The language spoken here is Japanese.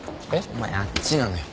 お前あっちなのよ